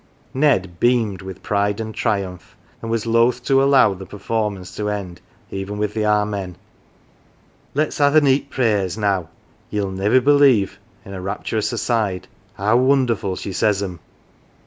Ned beamed with pride and triumph, and was loth to allow the performance to end even with the " Amen." " Let's ha 1 th 1 neet prayers now. Yell niver believe " (in a rapturous aside) " how wonderful she says ''em."